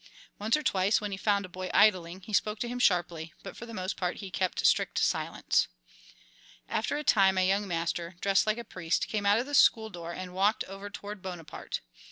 Once or twice, when he found a boy idling, he spoke to him sharply, but for the most part he kept strict silence. After a time a young master, dressed like a priest, came out of the school door and walked over toward Bonaparte.